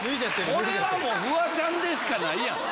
これはもうフワちゃんでしかないやん。